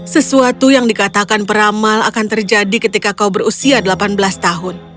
sesuatu yang dikatakan peramal akan terjadi ketika kau berusia delapan belas tahun